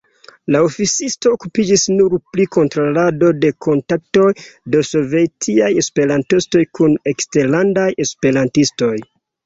La oficisto okupiĝis nur pri kontrolado de kontaktoj de sovetiaj esperantistoj kun eksterlandaj esperantistoj.